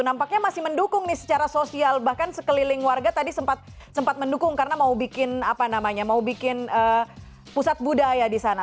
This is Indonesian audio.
nampaknya masih mendukung nih secara sosial bahkan sekeliling warga tadi sempat mendukung karena mau bikin pusat budaya di sana